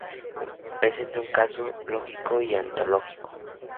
Presenta un caso lógico y ontológico.